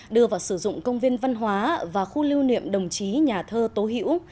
đưa vào sử dụng công viên văn hóa và khu lưu niệm đồng chí nhà thơ tố hữu